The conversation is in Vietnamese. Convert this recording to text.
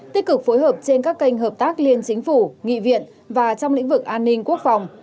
tích cực phối hợp trên các kênh hợp tác liên chính phủ nghị viện và trong lĩnh vực an ninh quốc phòng